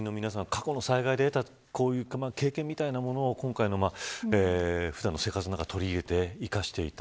過去の災害で得た経験みたいなものを普段の生活の中に取り入れて生かしていた。